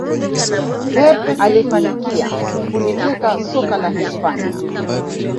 pep alifanikia kuliteka soka la hispania